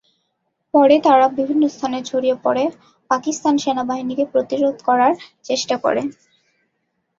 পরে তারা বিভিন্ন স্থানে ছড়িয়ে পড়ে পাকিস্তান সেনাবাহিনীকে প্রতিরোধ করার চেষ্টা করেন।